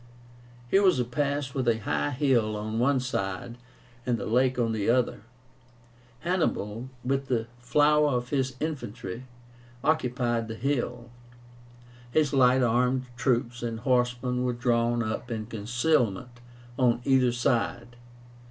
Here was a pass with a high hill on one side and the lake on the other. Hannibal, with the flower of his infantry, occupied the hill. His light armed troops and horsemen were drawn up in concealment on either side.